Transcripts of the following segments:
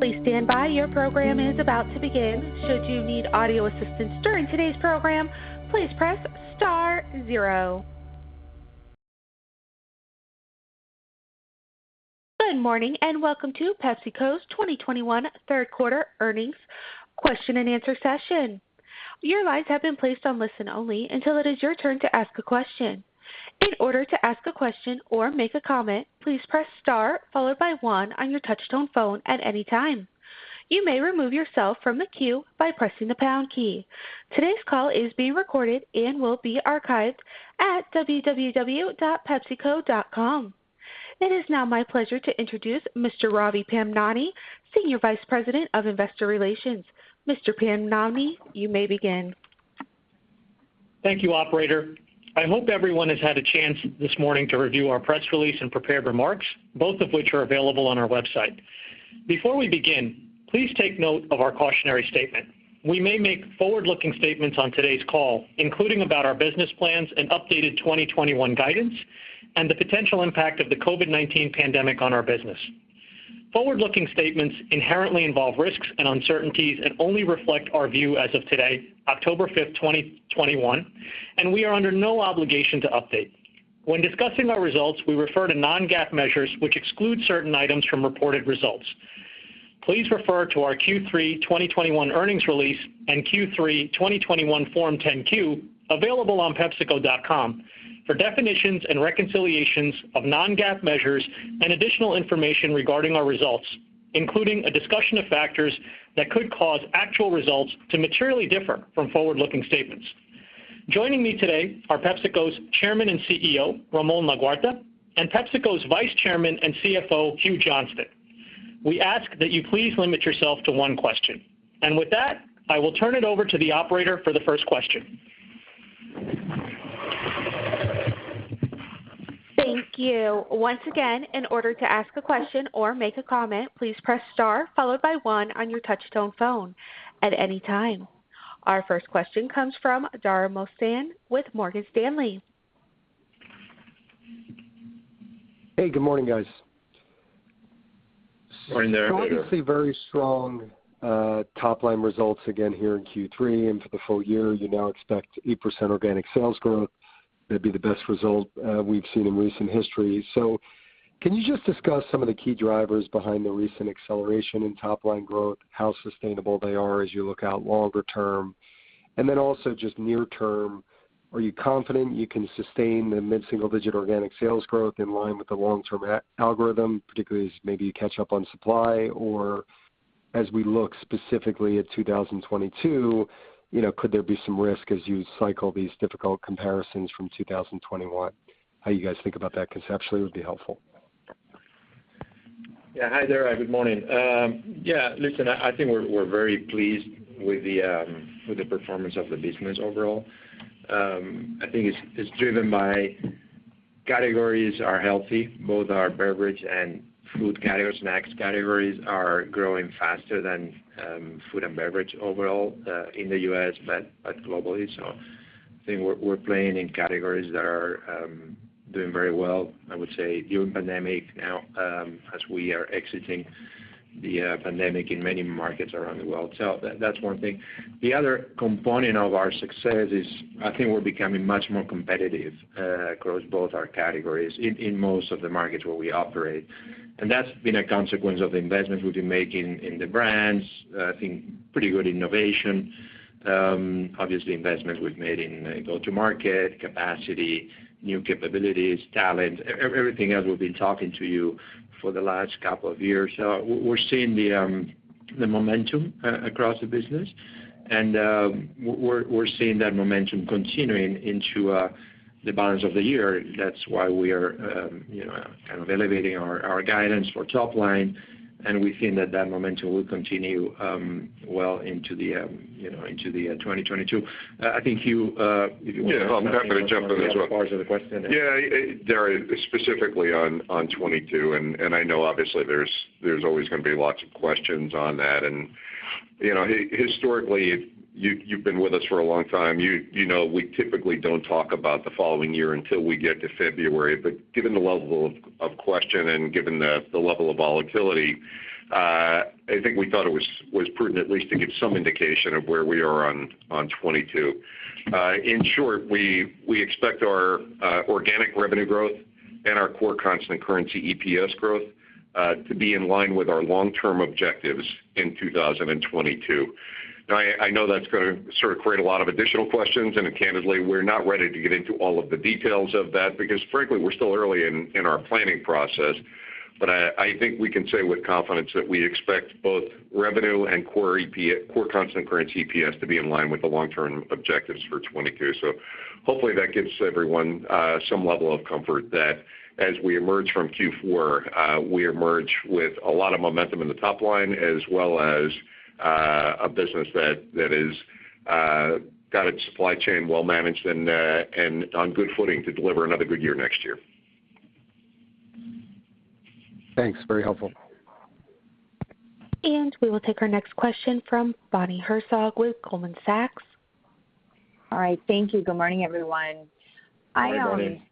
Good morning, and welcome to PepsiCo's 2021 third quarter earnings question and answer session. Today's call is being recorded and will be archived at www.pepsico.com. It is now my pleasure to introduce Mr. Ravi Pamnani, Senior Vice President of Investor Relations. Mr. Pamnani, you may begin. Thank you, operator. I hope everyone has had a chance this morning to review our press release and prepared remarks, both of which are available on our website. Before we begin, please take note of our cautionary statement. We may make forward-looking statements on today's call, including about our business plans and updated 2021 guidance, and the potential impact of the COVID-19 pandemic on our business. Forward-looking statements inherently involve risks and uncertainties and only reflect our view as of today, October fifth, 2021, and we are under no obligation to update. When discussing our results, we refer to non-GAAP measures, which exclude certain items from reported results. Please refer to our Q3 2021 earnings release and Q3 2021 Form 10-Q, available on pepsico.com, for definitions and reconciliations of non-GAAP measures and additional information regarding our results, including a discussion of factors that could cause actual results to materially differ from forward-looking statements. Joining me today are PepsiCo's Chairman and CEO, Ramon Laguarta, and PepsiCo's Vice Chairman and CFO, Hugh Johnston. We ask that you please limit yourself to one question. With that, I will turn it over to the operator for the first question. Thank you. Once again, in order to ask a question or make a comment, please press star followed by one on your touch-tone phone at any time. Our first question comes from Dara Mohsenian with Morgan Stanley. Hey, good morning, guys. Morning, Dara. Obviously very strong top-line results again here in Q3 and for the full year. You now expect 8% organic sales growth. That'd be the best result we've seen in recent history. Can you just discuss some of the key drivers behind the recent acceleration in top-line growth, how sustainable they are as you look out longer term? Also just near term, are you confident you can sustain the mid-single digit organic sales growth in line with the long-term algorithm, particularly as maybe you catch up on supply? As we look specifically at 2022, could there be some risk as you cycle these difficult comparisons from 2021? How you guys think about that conceptually would be helpful. Yeah. Hi there, good morning. Yeah, listen, I think we're very pleased with the performance of the business overall. I think it's driven by categories are healthy. Both our beverage and food category, snacks categories are growing faster than food and beverage overall, in the U.S., but globally. I think we're playing in categories that are doing very well, I would say during pandemic now as we are exiting the pandemic in many markets around the world. That's one thing. The other component of our success is I think we're becoming much more competitive across both our categories in most of the markets where we operate. That's been a consequence of the investments we've been making in the brands. I think pretty good innovation. Obviously investments we've made in go-to market, capacity, new capabilities, talent, everything else we've been talking to you for the last couple of years. We're seeing the momentum across the business, and we're seeing that momentum continuing into the balance of the year. That's why we are kind of elevating our guidance for top line, and we think that that momentum will continue well into the 2022. I think, Hugh, if you want to. Yeah. I'm happy to jump in as well. the other parts of the question. Dara, specifically on 2022, I know obviously there's always going to be lots of questions on that. Historically, you've been with us for a long time. You know we typically don't talk about the following year until we get to February. Given the level of question and given the level of volatility, I think we thought it was prudent at least to give some indication of where we are on 2022. In short, we expect our organic revenue growth and our core constant currency EPS growth to be in line with our long-term objectives in 2022. I know that's going to sort of create a lot of additional questions, candidly, we're not ready to get into all of the details of that frankly, we're still early in our planning process. I think we can say with confidence that we expect both revenue and core constant currency EPS to be in line with the long-term objectives for 2022. Hopefully that gives everyone some level of comfort that as we emerge from Q4, we emerge with a lot of momentum in the top line, as well as a business that has got its supply chain well managed and on good footing to deliver another good year next year. Thanks. Very helpful. We will take our next question from Bonnie Herzog with Goldman Sachs. All right. Thank you. Good morning, everyone. Good morning.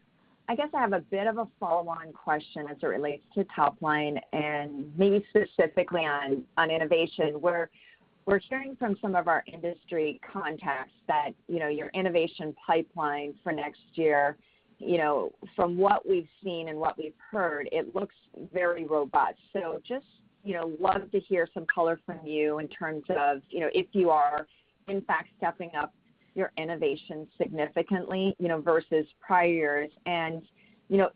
I guess I have a bit of a follow-on question as it relates to top line and maybe specifically on innovation, where we're hearing from some of our industry contacts that your innovation pipeline for next year, from what we've seen and what we've heard, it looks very robust. Just love to hear some color from you in terms of if you are in fact stepping up your innovation significantly versus prior years.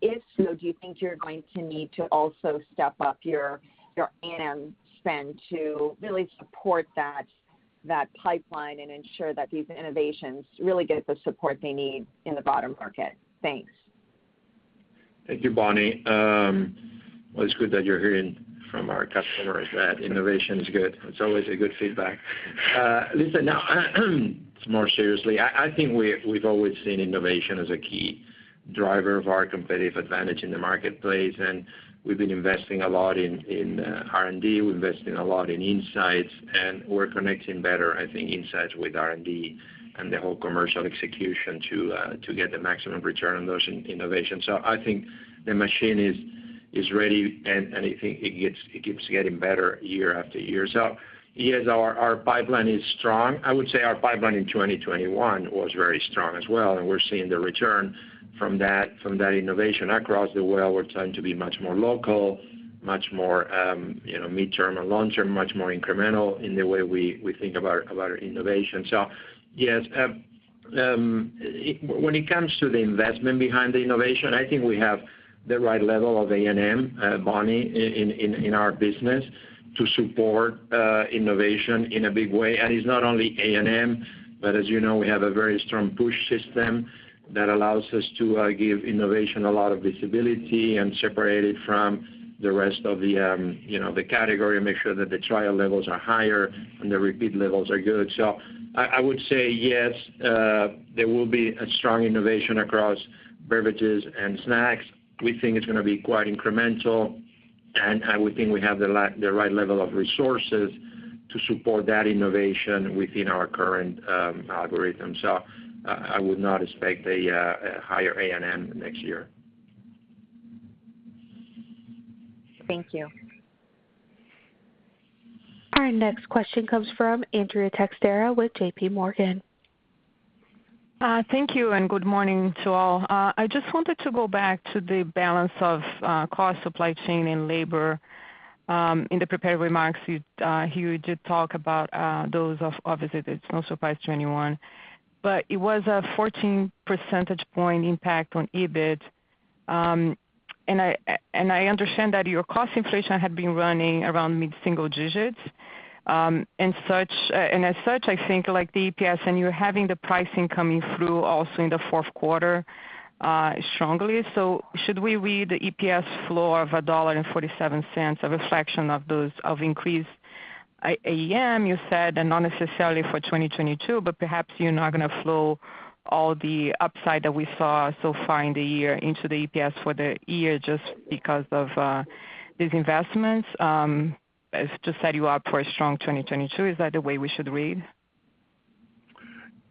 If so, do you think you're going to need to also step up your A&M spend to really support that pipeline and ensure that these innovations really get the support they need in the bottom market? Thanks. Thank you, Bonnie. It's good that you're hearing from our customers that innovation is good. It's always a good feedback. Now more seriously, I think we've always seen innovation as a key driver of our competitive advantage in the marketplace, we've been investing a lot in R&D. We invest a lot in insights, we're connecting better, I think, insights with R&D and the whole commercial execution to get the maximum return on those innovations. I think the machine is ready, I think it keeps getting better year after year. Yes, our pipeline is strong. I would say our pipeline in 2021 was very strong as well, we're seeing the return from that innovation across the world. We're trying to be much more local, much more mid-term or long-term, much more incremental in the way we think about our innovation. Yes, when it comes to the investment behind the innovation, I think we have the right level of A&M, Bonnie, in our business to support innovation in a big way. It's not only A&M, but as you know, we have a very strong push system that allows us to give innovation a lot of visibility and separate it from the rest of the category, and make sure that the trial levels are higher and the repeat levels are good. I would say yes, there will be a strong innovation across beverages and snacks. We think it's going to be quite incremental, and we think we have the right level of resources to support that innovation within our current algorithm. I would not expect a higher A&M next year. Thank you. Our next question comes from Andrea Teixeira with JPMorgan. Thank you, and good morning to all. I just wanted to go back to the balance of cost supply chain and labor. In the prepared remarks, Hugh, you did talk about those. Obviously, that's no surprise to anyone, but it was a 14 percentage point impact on EBIT. I understand that your cost inflation had been running around mid-single digits. I think like the EPS, and you're having the pricing coming through also in the fourth quarter strongly. Should we read the EPS flow of $1.47 a reflection of increased A&M, you said, and not necessarily for 2022, but perhaps you're not going to flow all the upside that we saw so far in the year into the EPS for the year just because of these investments to set you up for a strong 2022? Is that the way we should read?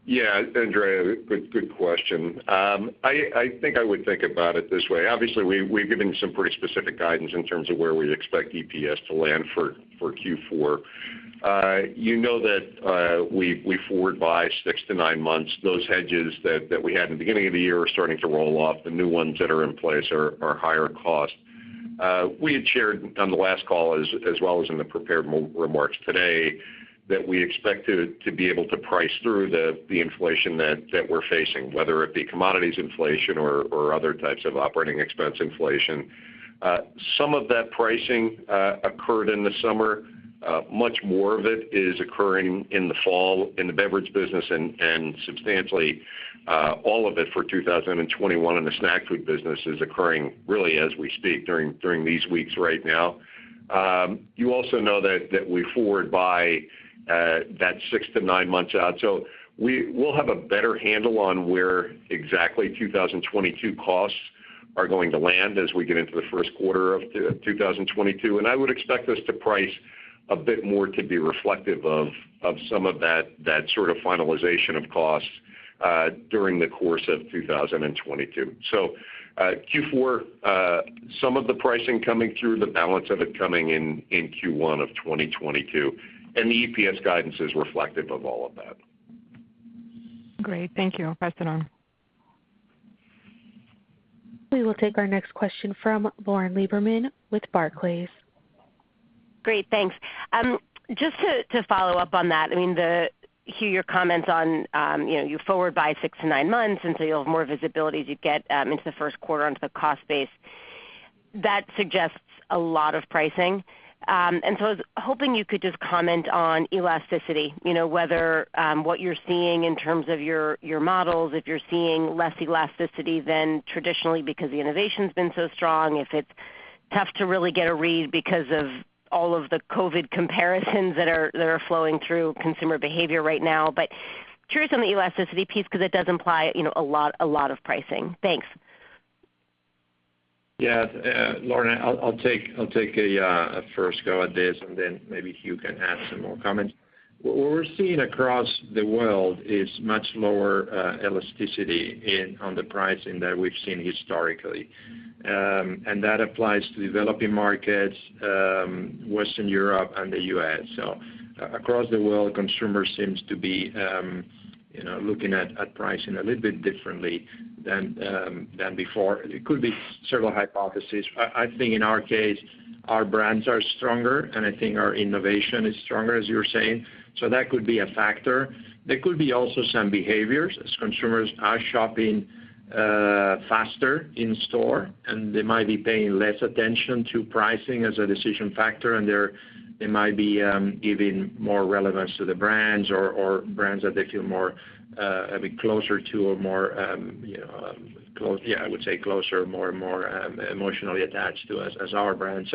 Yeah, Andrea Teixeira, good question. I think I would think about it this way. Obviously, we've given some pretty specific guidance in terms of where we expect EPS to land for Q4. You know that we forward buy six to nine months. Those hedges that we had in the beginning of the year are starting to roll off. The new ones that are in place are higher cost. We had shared on the last call as well as in the prepared remarks today that we expected to be able to price through the inflation that we're facing, whether it be commodities inflation or other types of operating expense inflation. Some of that pricing occurred in the summer. Much more of it is occurring in the fall in the beverage business, and substantially, all of it for 2021 in the snack food business is occurring really as we speak during these weeks right now. You also know that we forward buy that six to nine months out. We'll have a better handle on where exactly 2022 costs are going to land as we get into the first quarter of 2022, and I would expect us to price a bit more to be reflective of some of that sort of finalization of costs during the course of 2022. Q4, some of the pricing coming through, the balance of it coming in Q1 of 2022, and the EPS guidance is reflective of all of that. Great. Thank you. Pressing on. We will take our next question from Lauren Lieberman with Barclays. Great. Thanks. Just to follow up on that, Hugh, your comments on you forward buy six to nine months, you'll have more visibility as you get into the first quarter onto the cost base. That suggests a lot of pricing. I was hoping you could just comment on elasticity, whether what you're seeing in terms of your models, if you're seeing less elasticity than traditionally because the innovation's been so strong, if it's tough to really get a read because of all of the COVID comparisons that are flowing through consumer behavior right now. Curious on the elasticity piece because it does imply a lot of pricing. Thanks. Yeah. Lauren, I'll take a first go at this, and then maybe Hugh can add some more comments. What we're seeing across the world is much lower elasticity on the pricing that we've seen historically. That applies to developing markets, Western Europe, and the U.S. Across the world, consumers seem to be looking at pricing a little bit differently than before. It could be several hypotheses. I think in our case, our brands are stronger, and I think our innovation is stronger, as you were saying. That could be a factor. There could be also some behaviors, as consumers are shopping faster in store. They might be paying less attention to pricing as a decision factor. They might be giving more relevance to the brands or brands that they feel more emotionally attached to as our brand.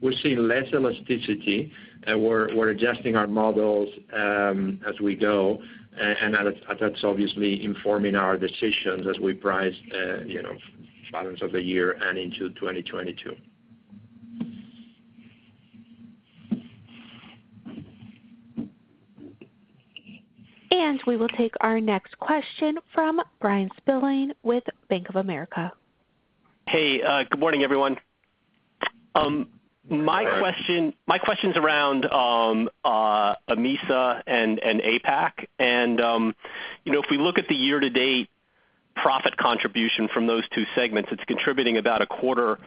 We're seeing less elasticity. We're adjusting our models as we go. That's obviously informing our decisions as we price balance of the year and into 2022. We will take our next question from Bryan Spillane with Bank of America. Hey, good morning, everyone. My question's around AMESA and APAC, and if we look at the year-to-date profit contribution from those two segments, it's contributing about a quarter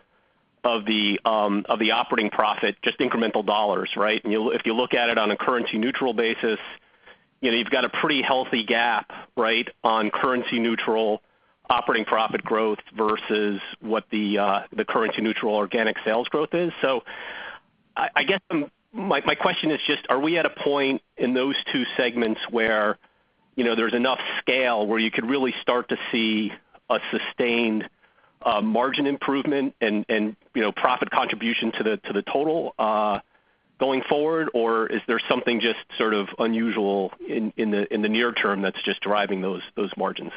of the operating profit, just incremental dollars, right? If you look at it on a currency-neutral basis, you've got a pretty healthy gap on currency-neutral operating profit growth versus what the currency-neutral organic sales growth is. I guess my question is just, are we at a point in those two segments where there's enough scale where you could really start to see a sustained margin improvement and profit contribution to the total going forward? Or is there something just sort of unusual in the near term that's just driving those margins?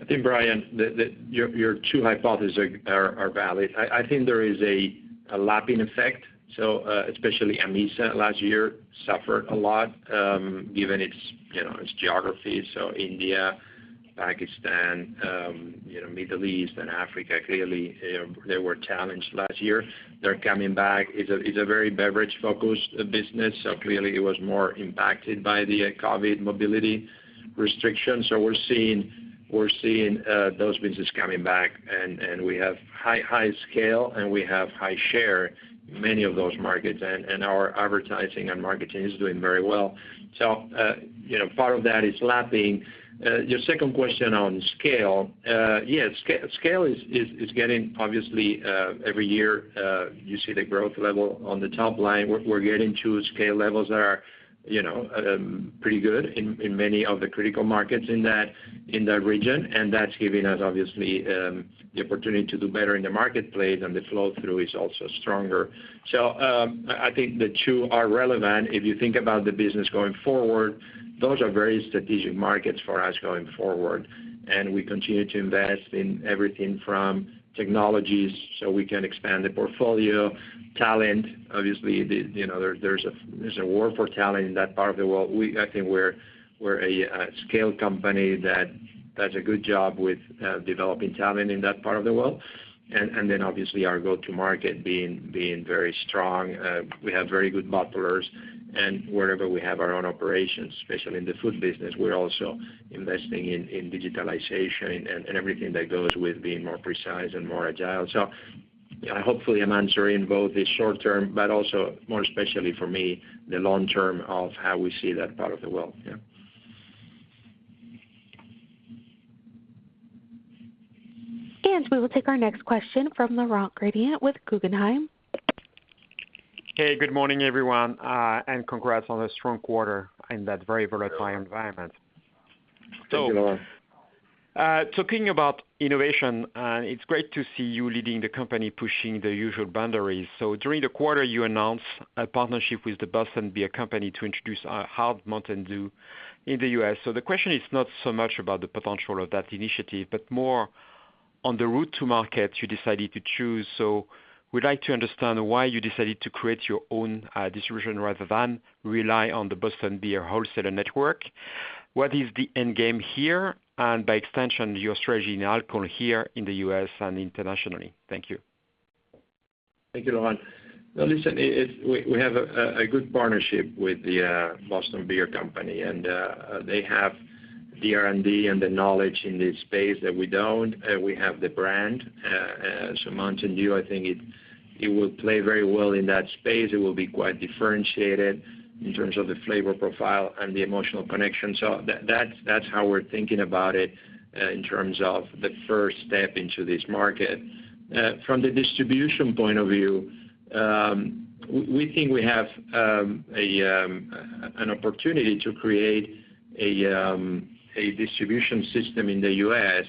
I think, Bryan, that your two hypotheses are valid. I think there is a lapping effect. Especially AMESA last year suffered a lot, given its geography. India, Pakistan, Middle East, and Africa, clearly, they were challenged last year. They're coming back. It's a very beverage-focused business, clearly, it was more impacted by the COVID mobility restrictions. We're seeing those businesses coming back, and we have high scale, and we have high share in many of those markets, and our advertising and marketing is doing very well. Part of that is lapping. Your second question on scale. Yeah, scale is getting, obviously every year, you see the growth level on the top line. We're getting to scale levels that are pretty good in many of the critical markets in that region, and that's giving us, obviously, the opportunity to do better in the marketplace, and the flow-through is also stronger. I think the two are relevant. If you think about the business going forward, those are very strategic markets for us going forward. We continue to invest in everything from technologies, so we can expand the portfolio. Talent, obviously, there's a war for talent in that part of the world. I think we're a scale company that does a good job with developing talent in that part of the world. Obviously our go-to market being very strong. We have very good bottlers. Wherever we have our own operations, especially in the food business, we're also investing in digitalization and everything that goes with being more precise and more agile. Hopefully I'm answering both the short term, but also more especially for me, the long term of how we see that part of the world. Yeah. We will take our next question from Laurent Grandet with Guggenheim. Hey, good morning, everyone. Congrats on a strong quarter in that very volatile environment. Thank you, Laurent. Talking about innovation, it's great to see you leading the company, pushing the usual boundaries. During the quarter, you announced a partnership with The Boston Beer Company to introduce Hard Mountain Dew in the U.S. The question is not so much about the potential of that initiative, but more on the route to market you decided to choose. We'd like to understand why you decided to create your own distribution rather than rely on The Boston Beer Company wholesaler network. What is the end game here, and by extension, your strategy in alcohol here in the U.S. and internationally? Thank you. Thank you, Laurent. Listen, we have a good partnership with The Boston Beer Company, and they have the R&D and the knowledge in this space that we don't. We have the brand. Mountain Dew, I think it will play very well in that space. It will be quite differentiated in terms of the flavor profile and the emotional connection. That's how we're thinking about it in terms of the first step into this market. From the distribution point of view, we think we have an opportunity to create a distribution system in the U.S.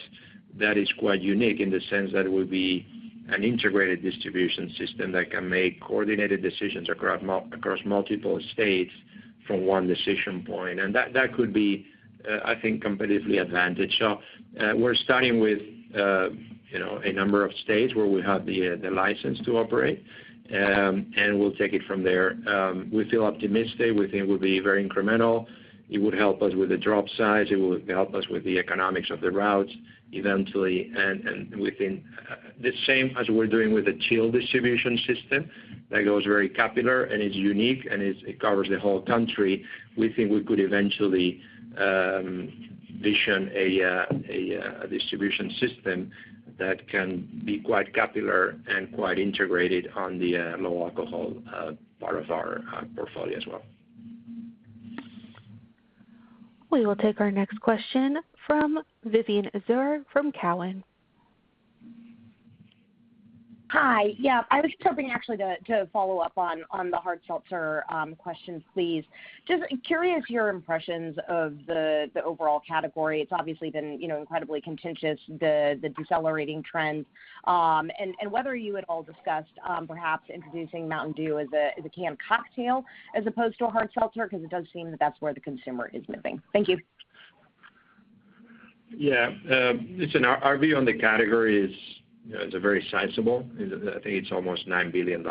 that is quite unique in the sense that it will be an integrated distribution system that can make coordinated decisions across multiple states from one decision point. That could be, I think, competitively advantaged. We're starting with a number of states where we have the license to operate, and we'll take it from there. We feel optimistic. We think it will be very incremental. It would help us with the drop size. It will help us with the economics of the routes eventually, and within the same as we're doing with the chill distribution system that goes very capillary and is unique and it covers the whole country. We think we could eventually vision a distribution system that can be quite capillary and quite integrated on the low-alcohol part of our portfolio as well. We will take our next question from Vivien Azer from Cowen. Hi. Yeah, I was hoping actually to follow up on the hard seltzer questions, please. Just curious your impressions of the overall category. It's obviously been incredibly contentious, the decelerating trends. Whether you had all discussed, perhaps introducing Mountain Dew as a canned cocktail as opposed to a hard seltzer, because it does seem that that's where the consumer is moving. Thank you. Listen, our view on the category is, it's very sizable. I think it's almost $9 billion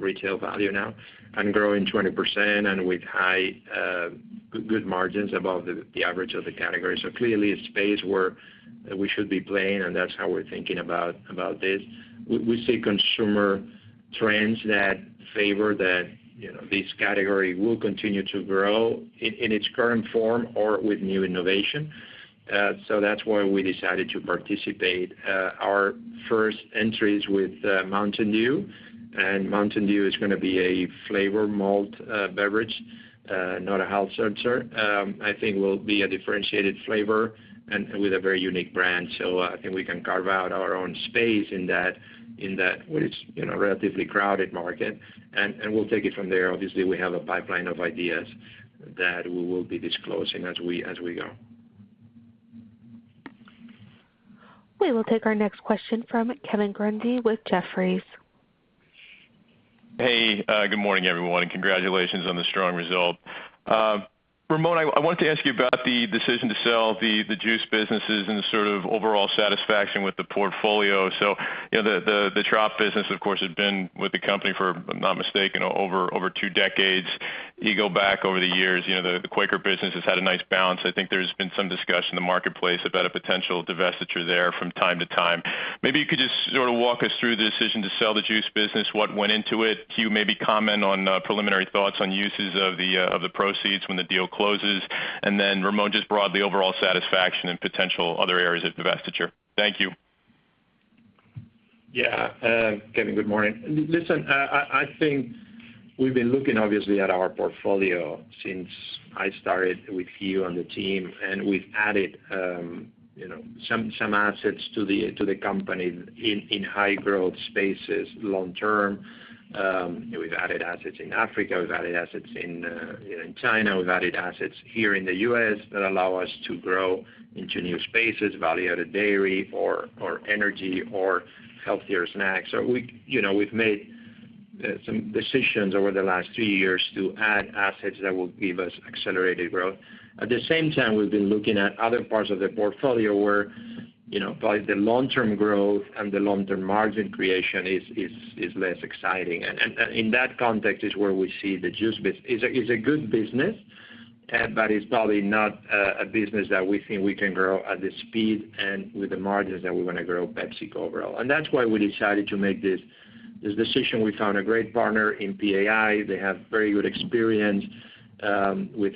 retail value now and growing 20% and with high, good margins above the average of the category. Clearly, a space where we should be playing, and that's how we're thinking about this. We see consumer trends that favor that this category will continue to grow in its current form or with new innovation. That's why we decided to participate. Our first entry is with Mountain Dew, and Mountain Dew is going to be a flavored malt beverage, not a hard seltzer. I think will be a differentiated flavor and with a very unique brand. I think we can carve out our own space in that what is a relatively crowded market, and we'll take it from there. We have a pipeline of ideas that we will be disclosing as we go. We will take our next question from Kevin Grundy with Jefferies. Hey, good morning, everyone, and congratulations on the strong result. Ramon, I wanted to ask you about the decision to sell the juice businesses and the sort of overall satisfaction with the portfolio. The Tropicana business, of course, had been with the company for, if I'm not mistaken, over two decades. You go back over the years, the Quaker business has had a nice bounce. I think there's been some discussion in the marketplace about a potential divestiture there from time to time. Maybe you could just sort of walk us through the decision to sell the juice business, what went into it. Hugh, maybe comment on preliminary thoughts on uses of the proceeds when the deal closes, and then Ramon, just broadly, overall satisfaction and potential other areas of divestiture. Thank you. Yeah. Kevin, good morning. Listen, I think we've been looking, obviously, at our portfolio since I started with Hugh on the team, and we've added some assets to the company in high growth spaces long-term. We've added assets in Africa, we've added assets in China, we've added assets here in the U.S. that allow us to grow into new spaces, value-added dairy or energy or healthier snacks. We've made some decisions over the last two years to add assets that will give us accelerated growth. At the same time, we've been looking at other parts of the portfolio where probably the long-term growth and the long-term margin creation is less exciting. In that context is where we see the juice business. It's a good business, it's probably not a business that we think we can grow at the speed and with the margins that we want to grow PepsiCo overall. That's why we decided to make this decision. We found a great partner in PAI. They have very good experience with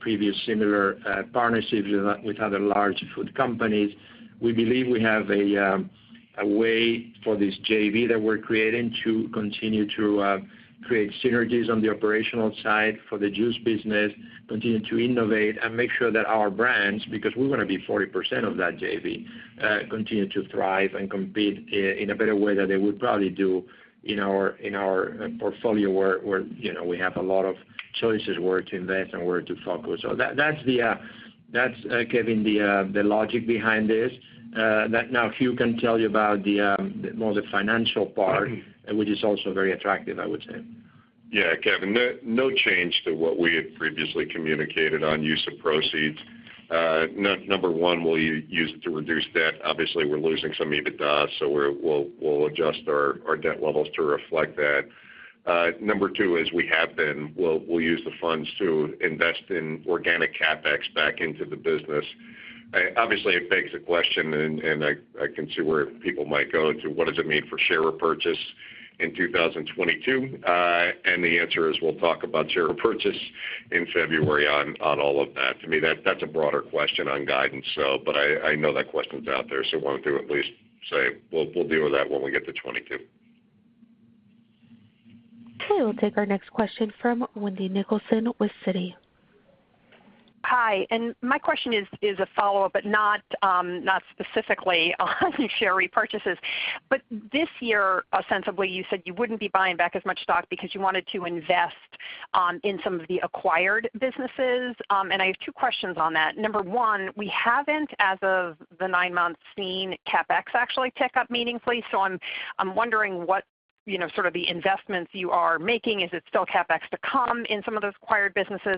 previous similar partnerships with other large food companies. We believe we have a way for this JV that we're creating to continue to create synergies on the operational side for the juice business, continue to innovate and make sure that our brands, because we want to be 40% of that JV, continue to thrive and compete in a better way than they would probably do in our portfolio, where we have a lot of choices where to invest and where to focus. That's, Kevin, the logic behind this. Now, Hugh can tell you about more the financial part, which is also very attractive, I would say. Yeah, Kevin, no change to what we had previously communicated on use of proceeds. Number one, we'll use it to reduce debt. Obviously, we're losing some EBITDA, so we'll adjust our debt levels to reflect that. Number two is we'll use the funds to invest in organic CapEx back into the business. Obviously, it begs the question, and I can see where people might go into what does it mean for share repurchase in 2022. The answer is, we'll talk about share repurchase in February on all of that. To me, that's a broader question on guidance. I know that question's out there, so wanted to at least say we'll deal with that when we get to 2022. Okay, we'll take our next question from Wendy Nicholson with Citi. Hi. My question is a follow-up, but not specifically on share repurchases. This year, ostensibly, you said you wouldn't be buying back as much stock because you wanted to invest in some of the acquired businesses. I have two questions on that. Number one, we haven't, as of the nine months, seen CapEx actually tick up meaningfully. So I'm wondering what sort of the investments you are making, is it still CapEx to come in some of those acquired businesses?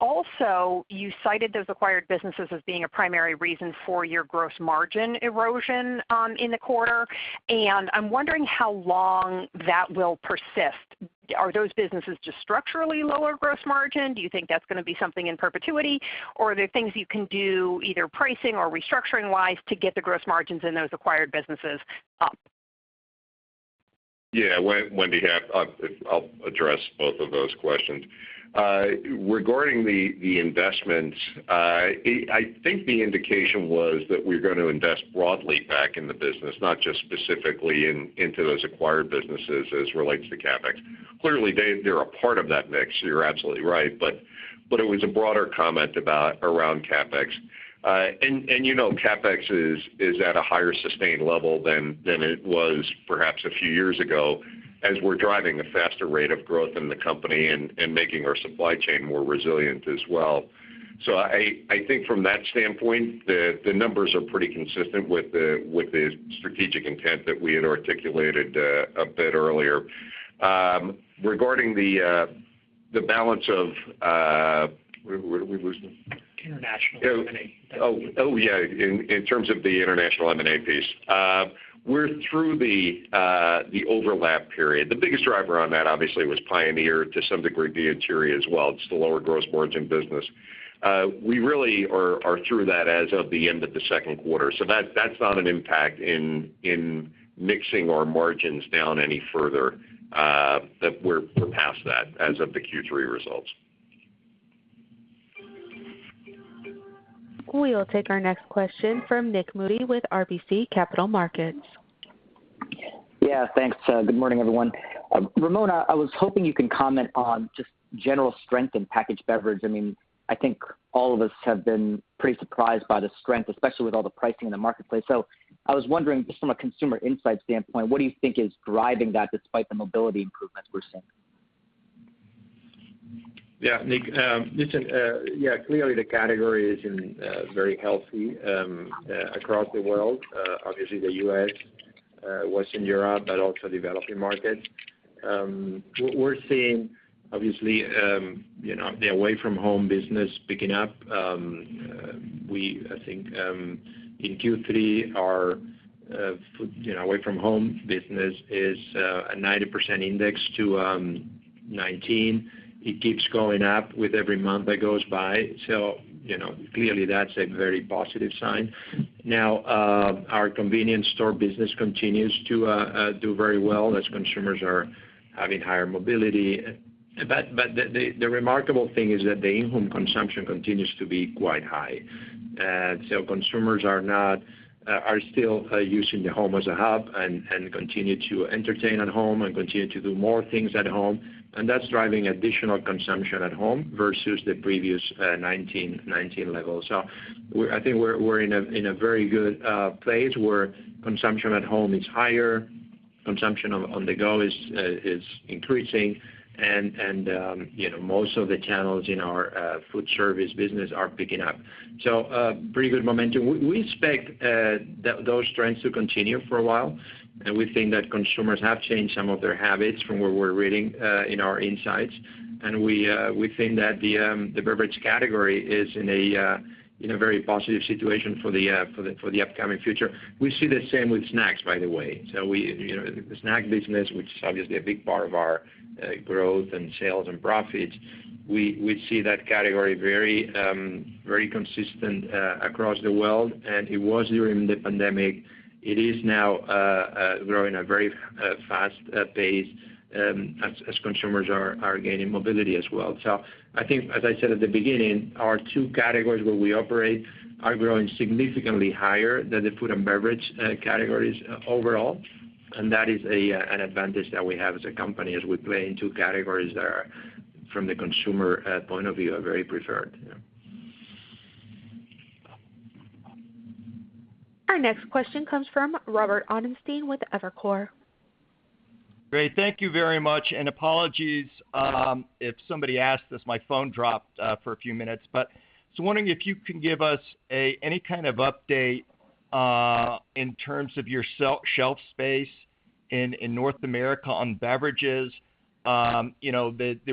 Also, you cited those acquired businesses as being a primary reason for your gross margin erosion in the quarter. I'm wondering how long that will persist. Are those businesses just structurally lower gross margin? Do you think that's going to be something in perpetuity? Are there things you can do, either pricing or restructuring-wise, to get the gross margins in those acquired businesses up? Wendy, I'll address both of those questions. Regarding the investments, I think the indication was that we're going to invest broadly back in the business, not just specifically into those acquired businesses as relates to CapEx. Clearly, they're a part of that mix, you're absolutely right, but it was a broader comment around CapEx. CapEx is at a higher sustained level than it was perhaps a few years ago, as we're driving a faster rate of growth in the company and making our supply chain more resilient as well. I think from that standpoint, the numbers are pretty consistent with the strategic intent that we had articulated a bit earlier. Regarding the balance of, where were we losing? International M&A. Oh, yeah. In terms of the international M&A piece, we're through the overlap period. The biggest driver on that obviously was Pioneer, to some degree the integration as well, just the lower gross margin business. We really are through that as of the end of the second quarter. That's not an impact in mixing our margins down any further, that we're past that as of the Q3 results. We will take our next question from Nik Modi with RBC Capital Markets. Yeah, thanks. Good morning, everyone. Ramon, I was hoping you can comment on just general strength in packaged beverage. I think all of us have been pretty surprised by the strength, especially with all the pricing in the marketplace. I was wondering, just from a consumer insight standpoint, what do you think is driving that despite the mobility improvements we're seeing? Nick. Listen, clearly the category is very healthy across the world. Obviously, the U.S., Western Europe, also developing markets. We're seeing, obviously, the away from home business picking up. We, I think, in Q3, our away from home business is a 90% index to 2019. It keeps going up with every month that goes by. Clearly that's a very positive sign. Our convenience store business continues to do very well as consumers are having higher mobility. The remarkable thing is that the in-home consumption continues to be quite high. Consumers are still using the home as a hub and continue to entertain at home and continue to do more things at home, and that's driving additional consumption at home versus the previous 2019 level. I think we're in a very good place where consumption at home is higher, consumption on the go is increasing and most of the channels in our food service business are picking up. Pretty good momentum. We expect those trends to continue for a while, and we think that consumers have changed some of their habits from what we're reading in our insights. We think that the beverage category is in a very positive situation for the upcoming future. We see the same with snacks, by the way. The snack business, which is obviously a big part of our growth in sales and profits, we see that category very consistent across the world, and it was during the pandemic. It is now growing a very fast pace as consumers are gaining mobility as well. I think, as I said at the beginning, our two categories where we operate are growing significantly higher than the food and beverage categories overall. That is an advantage that we have as a company as we play in two categories that are, from the consumer point of view, are very preferred. Our next question comes from Robert Ottenstein with Evercore. Great. Thank you very much. Apologies if somebody asked this, my phone dropped for a few minutes. I was wondering if you can give us any kind of update in terms of your shelf space in North America on beverages. Resets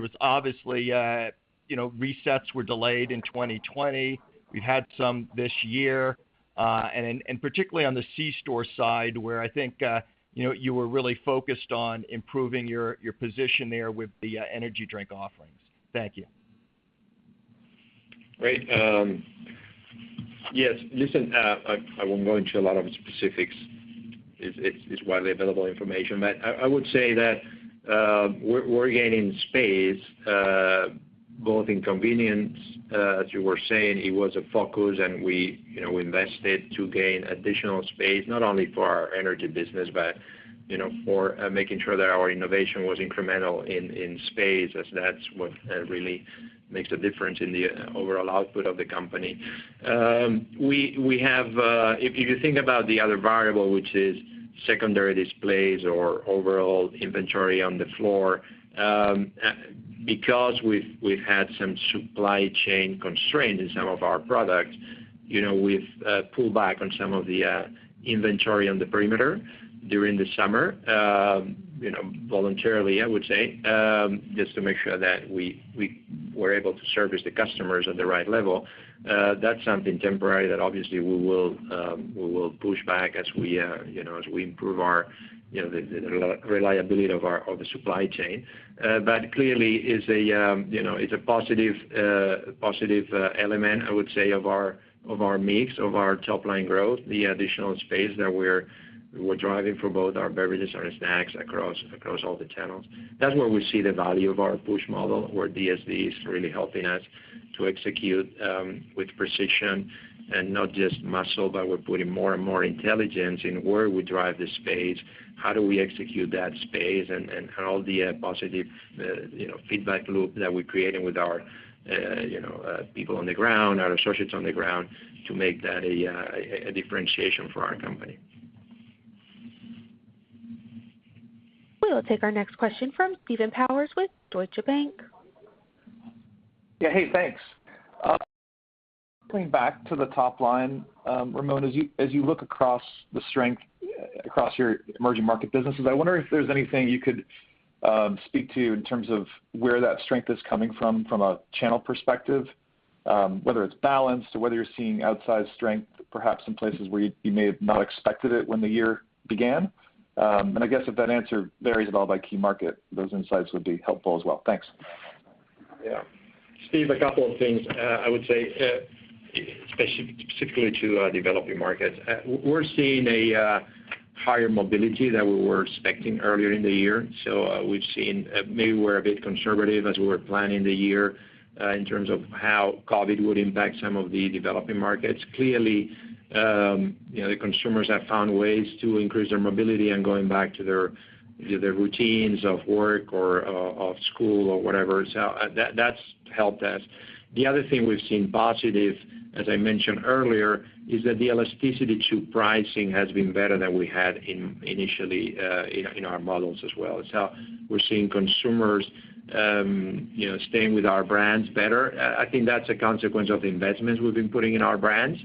were delayed in 2020. We've had some this year. Particularly on the C store side where I think you were really focused on improving your position there with the energy drink offerings. Thank you. Great. Yes, listen, I won't go into a lot of specifics. It's widely available information. I would say that we're gaining space, both in convenience, as you were saying, it was a focus and we invested to gain additional space not only for our energy business, but for making sure that our innovation was incremental in space, as that's what really makes a difference in the overall output of the company. If you think about the other variable, which is secondary displays or overall inventory on the floor, because we've had some supply chain constraints in some of our products, we've pulled back on some of the inventory on the perimeter during the summer. Voluntarily, I would say, just to make sure that we were able to service the customers at the right level. That's something temporary that obviously we will push back as we improve the reliability of the supply chain. Clearly it's a positive element, I would say, of our mix, of our top-line growth, the additional space that we're driving for both our beverages and our snacks across all the channels. That's where we see the value of our push model, where DSD is really helping us to execute with precision and not just muscle, but we're putting more and more intelligence in where we drive the space, how do we execute that space, and how the positive feedback loop that we're creating with our people on the ground, our associates on the ground to make that a differentiation for our company. We will take our next question from Stephen Powers with Deutsche Bank. Yeah. Hey, thanks. Coming back to the top line, Ramon, as you look across the strength across your emerging market businesses, I wonder if there's anything you could speak to in terms of where that strength is coming from a channel perspective, whether it's balanced or whether you're seeing outsized strength, perhaps in places where you may have not expected it when the year began. I guess if that answer varies at all by key market, those insights would be helpful as well. Thanks. Steve, a couple of things I would say, specifically to developing markets. We're seeing a higher mobility than we were expecting earlier in the year. We've seen maybe we're a bit conservative as we were planning the year in terms of how COVID would impact some of the developing markets. Clearly, the consumers have found ways to increase their mobility and going back to their routines of work or of school or whatever. That's helped us. The other thing we've seen positive, as I mentioned earlier, is that the elasticity to pricing has been better than we had initially in our models as well. We're seeing consumers staying with our brands better. I think that's a consequence of the investments we've been putting in our brands,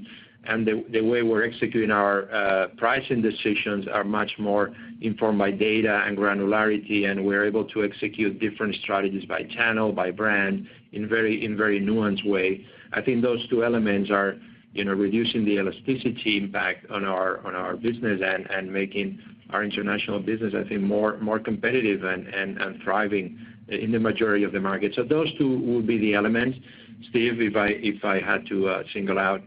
and the way we're executing our pricing decisions are much more informed by data and granularity, and we're able to execute different strategies by channel, by brand in very nuanced way. I think those two elements are reducing the elasticity impact on our business and making our international business, I think, more competitive and thriving in the majority of the markets. Those two would be the elements, Steve, if I had to single out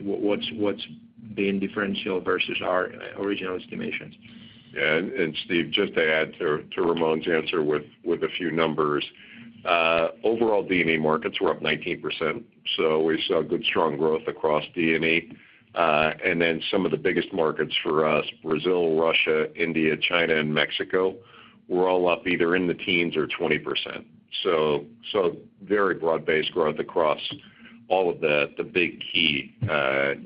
what's been differential versus our original estimations. Yeah. Steve, just to add to Ramon's answer with a few numbers. Overall D&E markets were up 19%, so we saw good strong growth across D&E. Some of the biggest markets for us, Brazil, Russia, India, China, and Mexico, were all up either in the teens or 20%. Very broad-based growth across all of the big key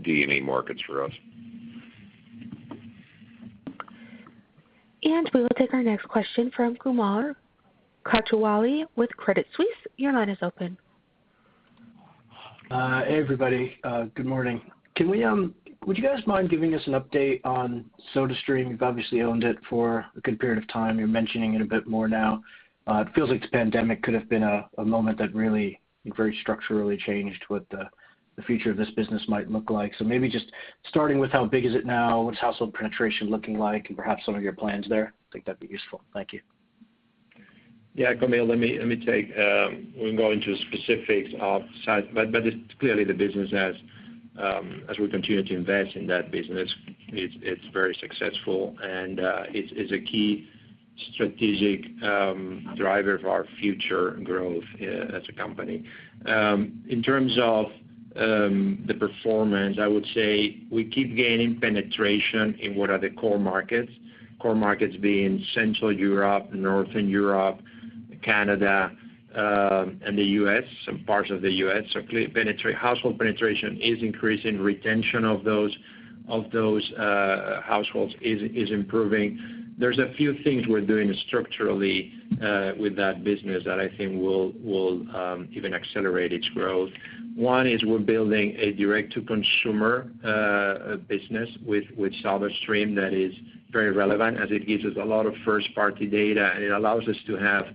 D&E markets for us. We will take our next question from Kaumil Gajrawala with Credit Suisse. Your line is open. Hey, everybody. Good morning. Would you guys mind giving us an update on SodaStream? You've obviously owned it for a good period of time. You're mentioning it a bit more now. It feels like the pandemic could have been a moment that really very structurally changed what the future of this business might look like. Maybe just starting with how big is it now, what's household penetration looking like, and perhaps some of your plans there? I think that'd be useful. Thank you. Yeah. Kaumil, I won't go into specifics of size, clearly the business has, as we continue to invest in that business, it's very successful, and it's a key strategic driver of our future growth as a company. In terms of the performance, I would say we keep gaining penetration in what are the core markets. Core markets being Central Europe, Northern Europe, Canada, and the U.S., some parts of the U.S. Household penetration is increasing, retention of those households is improving. There's a few things we're doing structurally with that business that I think will even accelerate its growth. One is we're building a direct-to-consumer business with SodaStream that is very relevant, as it gives us a lot of first-party data, and it allows us to have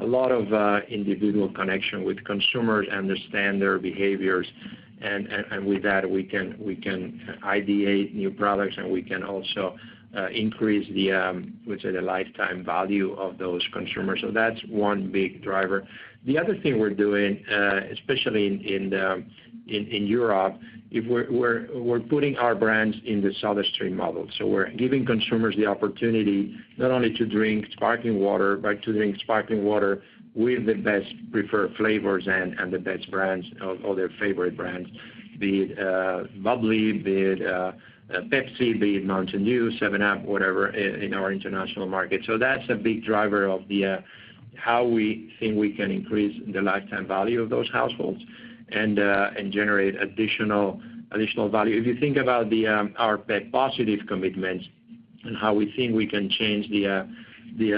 a lot of individual connection with consumers, understand their behaviors. And with that, we can ideate new products, and we can also increase the, let's say, the lifetime value of those consumers. That's one big driver. The other thing we're doing, especially in Europe, we're putting our brands in the SodaStream model. We're giving consumers the opportunity not only to drink sparkling water, but to drink sparkling water with the best preferred flavors and the best brands or their favorite brands, be it bubly, be it Pepsi, be it Mountain Dew, 7Up, whatever, in our international market. That's a big driver of how we think we can increase the lifetime value of those households and generate additional value. If you think about our pep+ commitments and how we think we can change the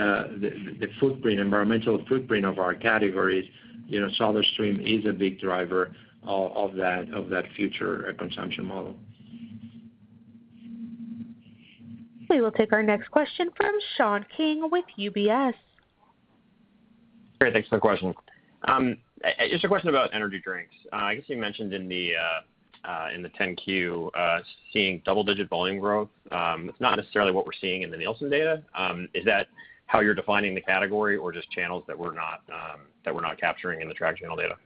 environmental footprint of our categories, SodaStream is a big driver of that future consumption model. We will take our next question from Sean King with UBS. Great. Thanks for the question. Just a question about energy drinks. I guess you mentioned in the 10-Q, seeing double-digit volume growth. It's not necessarily what we're seeing in the Nielsen data. Is that how you're defining the category or just channels that we're not capturing in the tracked channel data?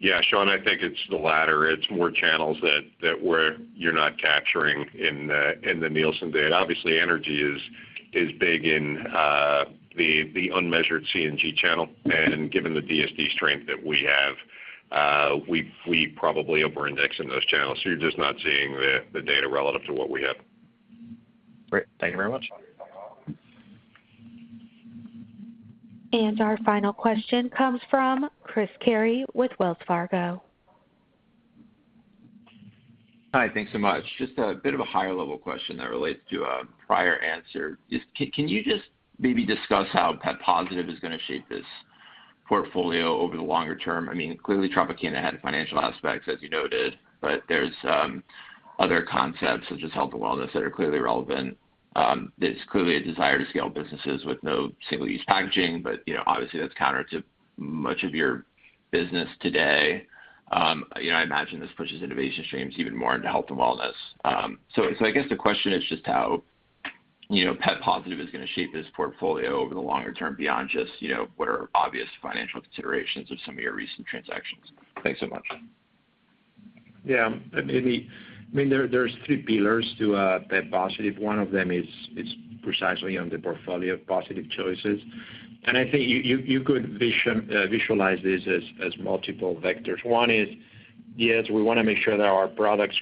Yeah, Sean, I think it's the latter. It's more channels that you're not capturing in the Nielsen data. Obviously, energy is big in the unmeasured C&G channel. Given the DSD strength that we have, we probably over-index in those channels. You're just not seeing the data relative to what we have. Great. Thank you very much. Our final question comes from Chris Carey with Wells Fargo. Hi, thanks so much. Just a bit of a higher level question that relates to a prior answer. Can you just maybe discuss how pep+ is going to shape this portfolio over the longer term? Clearly Tropicana had financial aspects, as you noted, but there's other concepts such as health and wellness that are clearly relevant. There's clearly a desire to scale businesses with no single-use packaging, but obviously that's counter to much of your business today. I imagine this pushes innovation streams even more into health and wellness. I guess the question is just how pep+ is going to shape this portfolio over the longer term beyond just what are obvious financial considerations of some of your recent transactions. Thanks so much. Yeah. There's three pillars to pep+, One of them is precisely on the portfolio of positive choices. I think you could visualize this as multiple vectors. One is, yes, we want to make sure that our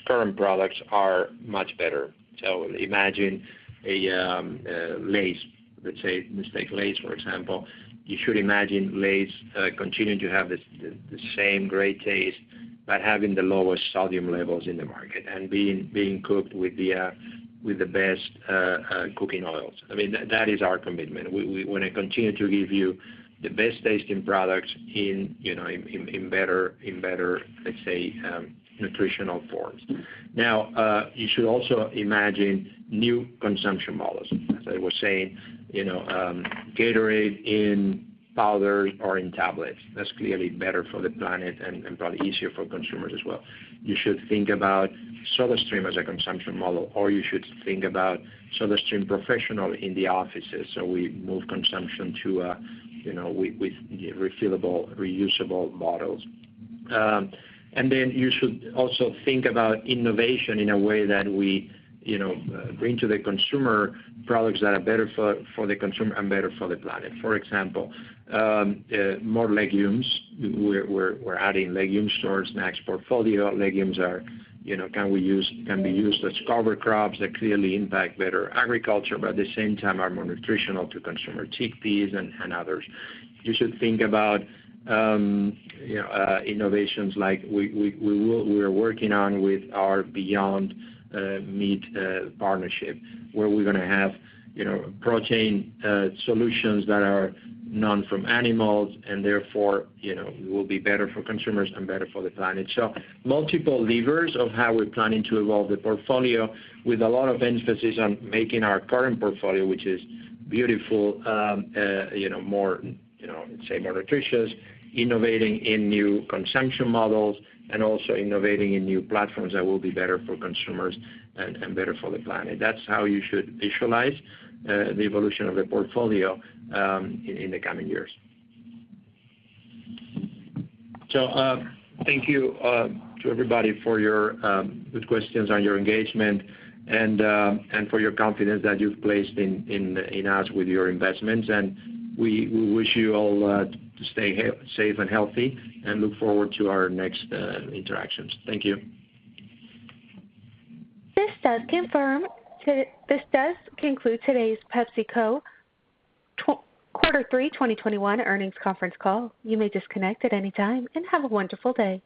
current products are much better. Imagine Lay's, let's take Lay's for example. You should imagine Lay's continuing to have the same great taste, but having the lowest sodium levels in the market and being cooked with the best cooking oils. That is our commitment. We want to continue to give you the best tasting products in better, let's say, nutritional forms. Now, you should also imagine new consumption models. As I was saying, Gatorade in powder or in tablets. That's clearly better for the planet and probably easier for consumers as well. You should think about SodaStream as a consumption model, or you should think about SodaStream Professional in the offices. We move consumption with refillable, reusable bottles. You should also think about innovation in a way that we bring to the consumer products that are better for the consumer and better for the planet. For example, more legumes. We're adding legume stores, snacks portfolio. Legumes can be used as cover crops that clearly impact better agriculture, but at the same time are more nutritional to consumer, chickpeas and others. You should think about innovations like we are working on with our Beyond Meat partnership, where we're going to have protein solutions that are not from animals, and therefore, it will be better for consumers and better for the planet. Multiple levers of how we're planning to evolve the portfolio with a lot of emphasis on making our current portfolio, which is beautiful, say more nutritious, innovating in new consumption models, and also innovating in new platforms that will be better for consumers and better for the planet. That's how you should visualize the evolution of the portfolio in the coming years. Thank you to everybody for your good questions and your engagement and for your confidence that you've placed in us with your investments. We wish you all to stay safe and healthy and look forward to our next interactions. Thank you. This does conclude today's PepsiCo quarter three 2021 earnings conference call. You may disconnect at any time, and have a wonderful day.